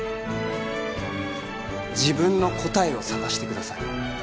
自分の答えを探してください